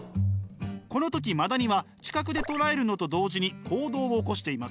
この時マダニは知覚でとらえるのと同時に行動を起こしています。